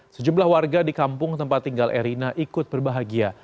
sejumlah warga di kampung tempat tinggal erina ikut berbahagia